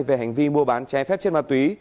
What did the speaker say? về hành vi mua bán trái phép chất ma túy